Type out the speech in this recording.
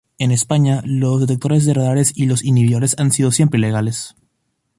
En España, los detectores de radares y los inhibidores han sido siempre ilegales.